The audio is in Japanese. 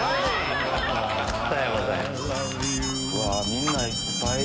みんないっぱい